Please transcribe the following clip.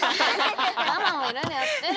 ママもいろいろやってるよ！